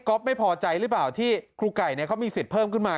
ไม่พอใจหรือเปล่าที่ครูไก่เขามีสิทธิ์เพิ่มขึ้นมา